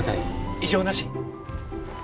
異常なし！